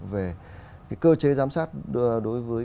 về cơ chế giám sát đối với